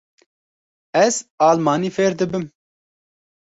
Ez almanî fêr dibim.